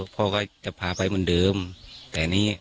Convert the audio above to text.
พ่อก็จะพาไปเหมือนเดิมแต่อันนี้